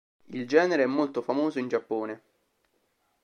Il genere è molto famoso in Giappone.